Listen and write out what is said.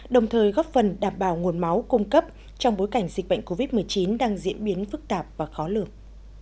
đồng thời góp phần đảm bảo nguồn máu cung cấp trong bối cảnh dịch bệnh covid một mươi chín đang diễn biến phức tạp và khó lường